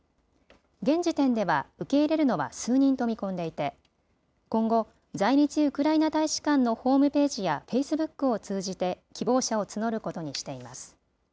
現時点では受け入れるのは数人と見込んでいて今後、在日ウクライナ大使館のホームページやフェイスブックを通じて希望者を募ることにしています。